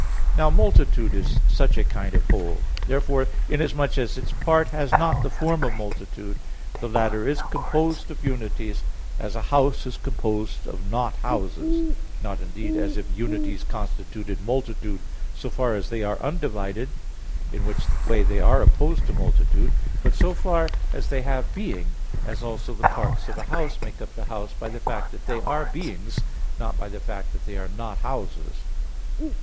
Now multitude is such a kind of a whole. Therefore inasmuch as its part has not the form of the multitude, the latter is composed of unities, as a house is composed of not houses; not, indeed, as if unities constituted multitude so far as they are undivided, in which way they are opposed to multitude; but so far as they have being, as also the parts of a house make up the house by the fact that they are beings, not by the fact that they are not houses.